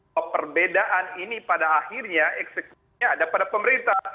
bahwa perbedaan ini pada akhirnya eksekusinya ada pada pemerintah